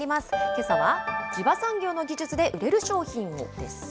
けさは、地場産業の技術で売れる商品を、です。